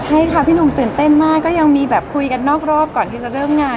ใช่ค่ะพี่หนุ่มตื่นเต้นมากก็ยังมีแบบคุยกันนอกรอบก่อนที่จะเริ่มงาน